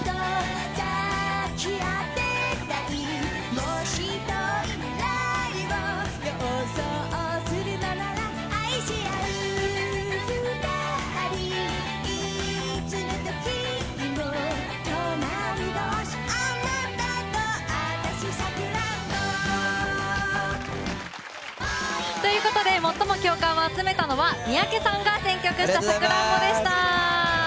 「もういっかい！」ということで最も共感を集めたのは三宅さんが選曲した「さくらんぼ」でした。